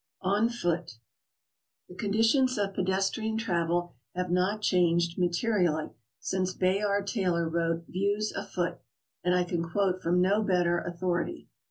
ON FOOT. The conditions of pedestrian travel have not changed materially since Bayard Taylor wrote ''Views A Foot," and I can quote from no better authority.